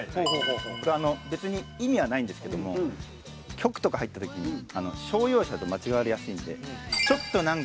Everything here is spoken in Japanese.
これ別に意味はないんですけども局とか入った時に商用車と間違われやすいんでちょっとなんかヤンチャしてますよ